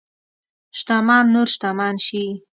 شتمن نور شتمن شي.